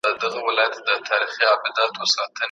الله به د قیامت په ورځ حساب کوي.